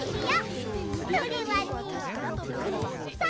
それはねくさ。